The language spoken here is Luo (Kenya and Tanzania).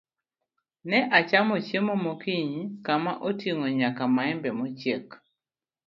Ne achamo chiemo mokinyi kama oting'o nyaka maembe mochiek.